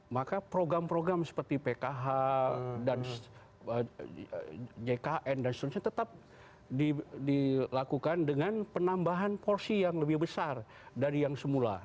maka program program seperti pkh dan jkn dan seterusnya tetap dilakukan dengan penambahan porsi yang lebih besar dari yang semula